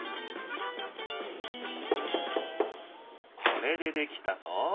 これでできたぞ。